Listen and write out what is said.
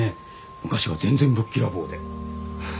昔は全然ぶっきらぼうで。